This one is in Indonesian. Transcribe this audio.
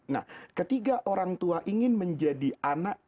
nah ketika orang tua ingin menjadi anak